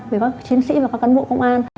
về các chiến sĩ và các cán bộ công an